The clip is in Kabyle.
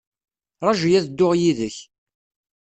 Raju-yi ad dduɣ yid-k.